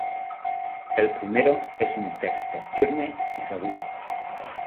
El primero es un texto firme y seguro.